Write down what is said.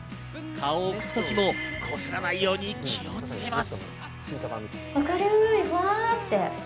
顔を拭くときもこすらないように気をつけます。